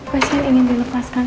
pasin ingin dilepaskan